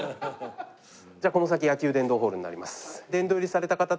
じゃあこの先野球殿堂ホールになります。